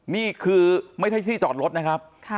นี่คือไม่ใช่ที่จอดรถนะครับ